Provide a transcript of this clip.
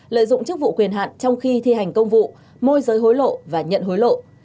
lợi dụng chức vụ quyền hạn trong khi thi hành công vụ môi giới hối lộ và nhận hối lộ